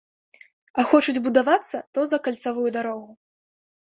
А хочуць будавацца, то за кальцавую дарогу!